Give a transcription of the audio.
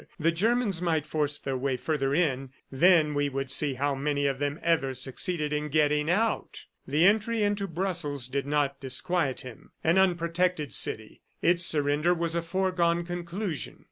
The Germans might force their way further in; then we would see how many of them ever succeeded in getting out. The entry into Brussels did not disquiet him. An unprotected city! ... Its surrender was a foregone conclusion.